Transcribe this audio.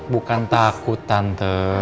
bukan takut tante